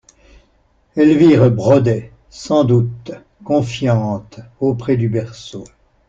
Elvire brodait, sans doute, confiante, auprès du berceau.